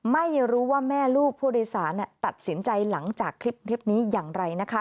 ไม่รู้ว่าแม่ลูกผู้โดยสารตัดสินใจหลังจากคลิปนี้อย่างไรนะคะ